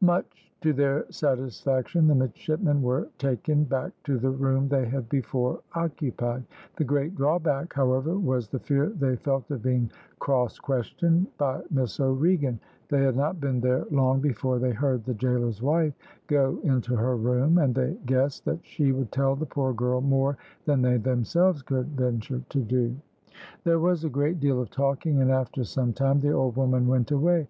Much to their satisfaction the midshipmen were taken back to the room they had before occupied. The great drawback, however, was the fear they felt of being cross questioned by Miss O'Regan. They had not been there long before they heard the gaoler's wife go into her room; and they guessed that she would tell the poor girl more than they themselves could venture to do. There was a great deal of talking, and after some time the old woman went away.